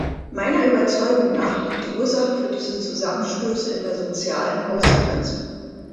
Meiner Überzeugung nach liegt die Ursache für diese Zusammenstöße in der sozialen Ausgrenzung.